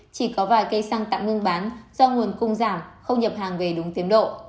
chỉ có vài cây xăng tạm ngưng bán do nguồn cung giảm không nhập hàng về đúng tiến độ